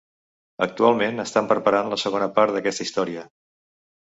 Actualment estan preparant la segona part d'aquesta història.